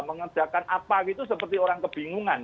mengerjakan apa gitu seperti orang kebingungan